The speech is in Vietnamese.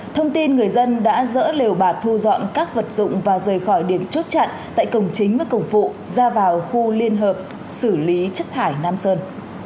thông tin người dân đã dỡ lều bạt thu dọn các vật dụng và rời khỏi điểm chốt chặn tại cổng chính với cổng phụ ra vào khu liên hợp xử lý chất thải nam sơn